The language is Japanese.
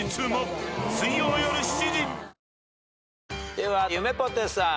ではゆめぽてさん。